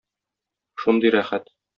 Шундый рәхәт!